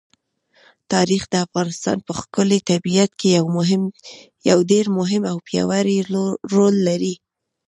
تاریخ د افغانستان په ښکلي طبیعت کې یو ډېر مهم او پیاوړی رول لري.